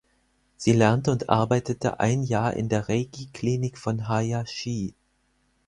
Sie lernte und arbeitete ein Jahr in der Reiki-Klinik von Hayashi.